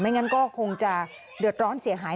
งั้นก็คงจะเดือดร้อนเสียหาย